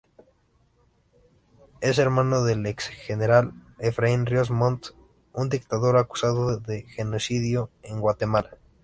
Es hermano del exgeneral Efraín Ríos Montt, un dictador acusado de genocidio en Guatemala.